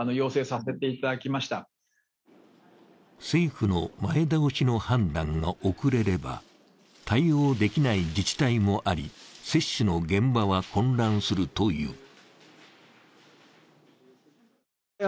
政府の前倒しの判断が遅れれば、対応できない自治体もあり、接種の現場は混乱するという。